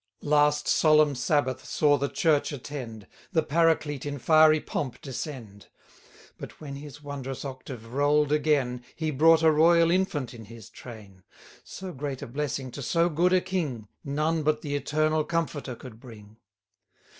Last solemn Sabbath saw the Church attend, The Paraclete in fiery pomp descend; 20 But when his wondrous octave roll'd again, He brought a royal infant in his train. So great a blessing to so good a king, None but the Eternal Comforter could bring.